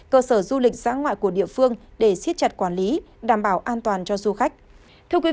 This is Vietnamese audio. cơ sở du lịch giã ngoại của địa phương để siết chặt quản lý đảm bảo an toàn cho du khách